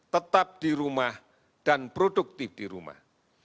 tetap di rumah dan produktif di rumah